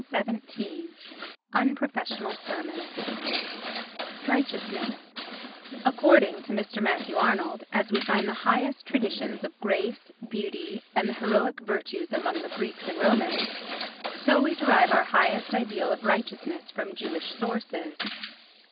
XIII Unprofessional Sermons Righteousness ACCORDING to Mr. Matthew Arnold, as we find the highest traditions of grace, beauty and the heroic virtues among the Greeks and Romans, so we derive our highest ideal of righteousness from Jewish sources.